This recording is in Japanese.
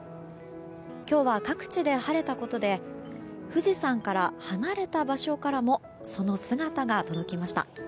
今日は各地で晴れたことで富士山から離れた場所からもその姿が届きました。